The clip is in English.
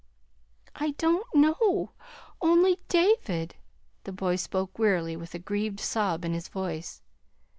"I don't know only David." The boy spoke wearily, with a grieved sob in his voice.